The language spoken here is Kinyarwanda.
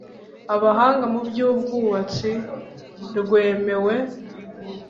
abahanga mu by ubwubatsi rwemewe